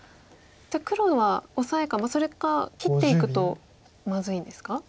じゃあ黒はオサエかそれか切っていくとまずいんですか？